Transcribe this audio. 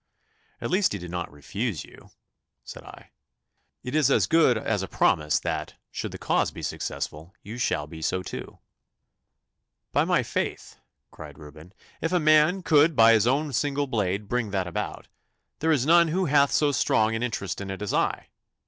'At least he did not refuse you,' said I. 'It is as good as a promise that; should the cause be successful, you shall be so too.' 'By my faith,' cried Reuben, 'if a man could by his own single blade bring that about, there is none who hath so strong an interest in it as I.